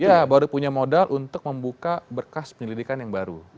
iya baru punya modal untuk membuka berkas penyelidikan yang baru